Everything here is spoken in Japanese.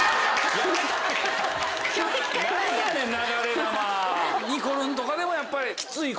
何やねん流れ弾。にこるんとかでもやっぱり。